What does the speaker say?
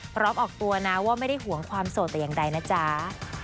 ออกตัวนะว่าไม่ได้ห่วงความโสดแต่อย่างใดนะจ๊ะ